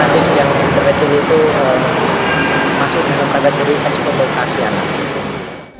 kalau yang terleceng itu masuk dengan kata diri eksponotasi anak